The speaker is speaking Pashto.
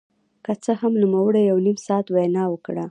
که څه هم نوموړي يو نيم ساعت وينا وکړه.